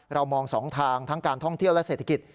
เรามองสองทางทั้งการท่องเที่ยวและเศรษฐกิจ